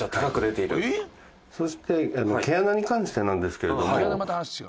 そして毛穴に関してなんですけれども。